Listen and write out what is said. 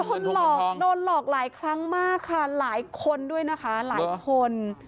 โดนหลอกโดนหลอกหลายครั้งมากค่ะหลายคนด้วยนะคะหลายคน